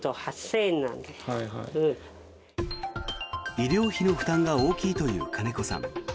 医療費の負担が大きいという金子さん。